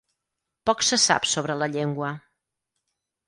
Poc se sap sobre la llengua.